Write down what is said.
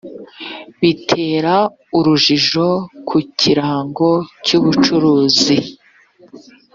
bitera urujijo ku kirango cy’ubucuruzi